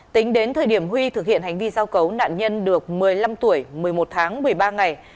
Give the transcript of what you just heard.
tính đến thời điểm huy thực hiện hành vi giao cấu nạn nhân được một mươi năm tuổi một mươi một tháng một mươi ba ngày